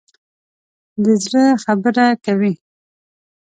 د زړه خبره کوي.